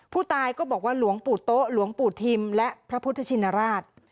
ผู้ตายก็บอกว่าหลวงปู่โต๊ะหลวงปู่ทิมและพระพุทธชินราช